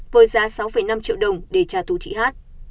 với giá sáu năm triệu đồng để trả thù chị hát